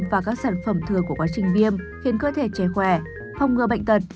và các sản phẩm thừa của quá trình viêm khiến cơ thể trẻ khỏe không ngừa bệnh tật